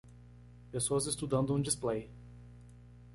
Pessoas estudando um display.